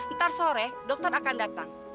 ntar sore dokter akan datang